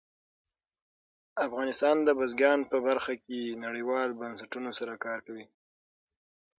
افغانستان د بزګان په برخه کې نړیوالو بنسټونو سره کار کوي.